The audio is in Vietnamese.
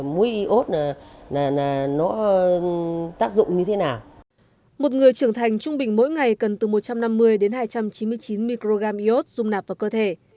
một người trưởng thành trung bình mỗi ngày cần từ một trăm năm mươi đến hai trăm chín mươi chín microgram iốt dung nạp vào cơ thể